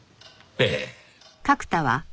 ええ。